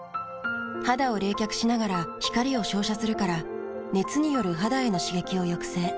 肌を冷却しながら光を照射するから熱による肌への刺激を抑制。